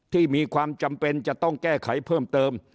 ที่มีความจำเป็นจะต้องแก้ไขเพิ่มเติม